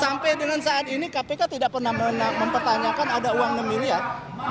sampai dengan saat ini kpk tidak pernah mempertanyakan ada uang enam miliar